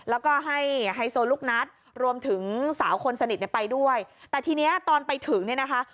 แล้วก็ให้ไฮโซลูกนัดรวมถึงสาวคนสนิทเนี่ยไปด้วยแต่ทีนี้ตอนไปถึงเนี่ยนะคะ